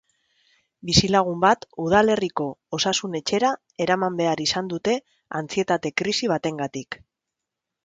Bizilagun bat udalerriko osasun etxera eraman behar izan dute antsietate-krisi batengatik.